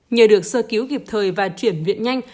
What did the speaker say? nhờ được sơ cứu kịp thời và chuyển viện nhanh